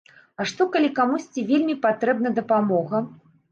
А што калі камусьці вельмі патрэбна дапамога?